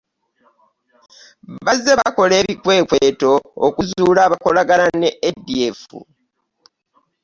Bazze bakola ebikwekweto okuzuula abakolagana ne ADF